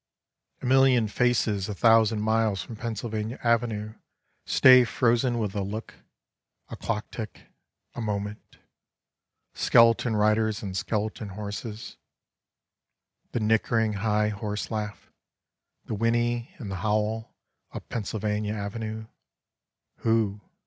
(A million faces a thousand miles from Pennsylvania Avenue stay frozen with a look, a clocktick, a moment — skeleton riders on skeleton horses — the nickering high horse laugh, the whinny and the howl up Pennsylvania Avenue: who?